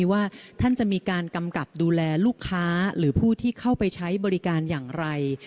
ว่าท่านจะมีการกำกับดูแลลูกค้าหรือผู้ที่เข้าไปใช้บริการอย่างไร